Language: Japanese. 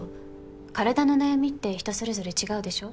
体の悩みって人それぞれ違うでしょ？